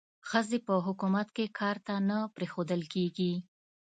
ښځې په حکومت کې کار ته نه پریښودل کېږي.